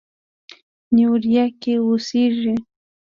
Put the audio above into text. نیویارک کې اوسېږي.